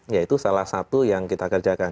ya itu salah satu yang kita kerjakan